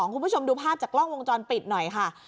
คุณผู้ชมดูภาพจากกล้องวงจรปิดหน่อยค่ะ